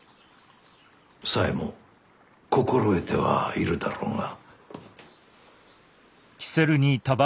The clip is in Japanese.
紗江も心得てはいるだろうが。